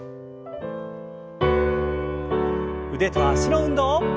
腕と脚の運動。